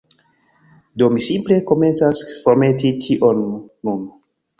Do, mi simple komencas formeti ĉion nun